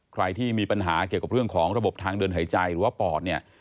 ใครที่มีปัญหาเกี่ยวกับเรื่องของระบบทางเดินหายใจหรือว่าปอดเนี่ย